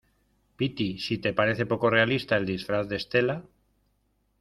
piti, si te parece poco realista el disfraz de Estela